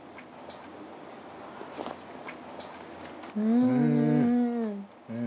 うん。